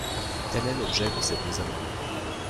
Tel est l’objet de ces deux amendements.